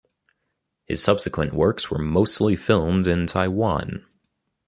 His subsequent works were mostly filmed in Taiwan.